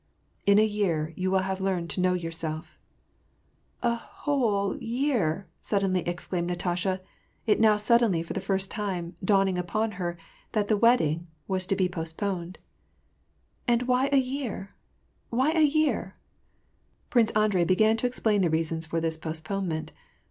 " In a year, you will have learned to know yourself." " A who — ole year !" suddenly exclaimed Natasha ; it now suddenly, for the first time, dawning upon her that the wed ding was to be postponed. " And why a year ?— why a year ?" Prince Andrei began to explain the reasons for this post ponement.